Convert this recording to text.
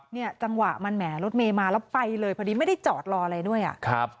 เนี่ยจังหวะมันแหมรถเมย์มาแล้วไปเลยพอดีไม่ได้จอดรออะไรด้วยอ่ะครับ